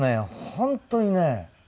本当にね